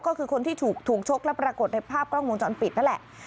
ก็คือคนที่ถูกชกและปรากฏในภาพกล้องวงจรปิดนั่นแหละ